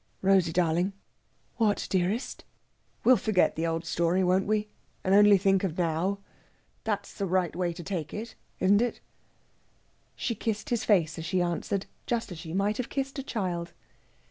"Rosey darling!" "What, dearest?" "We'll forget the old story, won't we, and only think of now? That's the right way to take it, isn't it?" She kissed his face as she answered, just as she might have kissed a child.